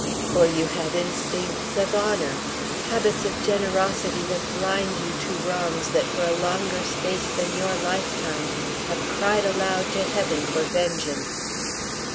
Or you have instincts of honor, habits of generosity that blind you to wrongs that for a longer space than your lifetime have cried aloud to heaven for vengeance.